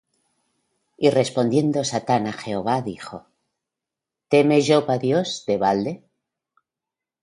Y respondiendo Satán á Jehová, dijo: ¿Teme Job á Dios de balde?